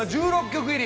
１６曲？